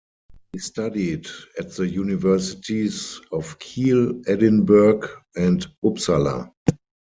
He studied at the universities of Kiel, Edinburg, and Uppsala.